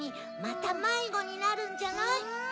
またまいごになるんじゃない？